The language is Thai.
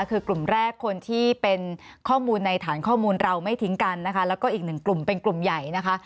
คือกลุ่มแรกคนที่เป็นข้อมูลในฐานข้อมูลเราไม่ทิ้งกันนะคะแล้วก็อีกหนึ่งกลุ่มเป็นกลุ่มใหญ่นะคะ